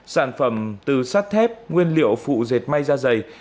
sản phẩm từ sát thép nguyên liệu phụ dệt may da dày